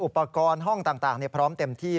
อุปกรณ์ห้องต่างพร้อมเต็มที่